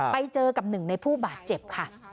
ไปเจอกับหนึ่งในผู้บาดเจ็บค่ะ